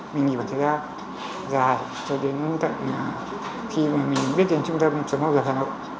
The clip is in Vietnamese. mình nghỉ bản thời gian dài cho đến tận khi mà mình biết đến trung tâm sống hậu dập hà nội